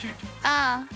ああ。